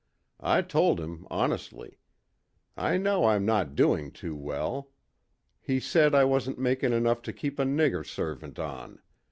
I told him honestly. I know I'm not doing too well. He said I wasn't making enough to keep a nigger servant on.